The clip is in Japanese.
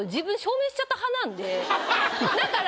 だから。